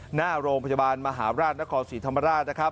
หน้าโรงพยาบาลมหาราชนครศรีธรรมราชนะครับ